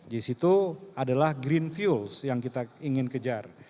disitu adalah green fuel yang kita ingin kejar